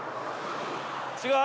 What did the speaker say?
違う？